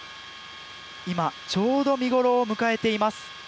今ちょうど見頃を迎えています。